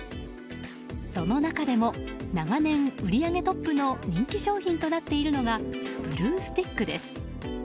その中でも長年、売り上げトップの人気商品となっているのがブルースティックです。